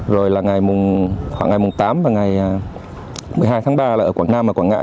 rồi là ngày mùng khoảng ngày mùng tám và ngày một mươi hai tháng ba là ở quảng nam và quảng ngãi